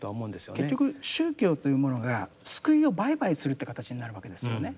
結局宗教というものが救いを売買するって形になるわけですよね。